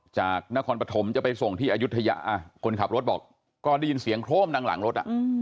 จากนครปฐมจะไปส่งที่อายุทยาคนขับรถบอกก็ได้ยินเสียงโครมดังหลังรถ